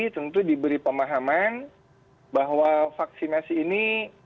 tentu diberi pemahaman bahwa vaksinasi ini